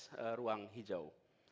akses ruang hijau